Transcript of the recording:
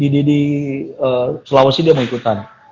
di sulawesi dia mau ikutan